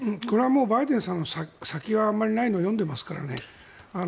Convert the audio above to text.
これはもうバイデンさんの先があまりないのを読んでいますからね。